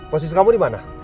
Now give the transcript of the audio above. posisi kamu dimana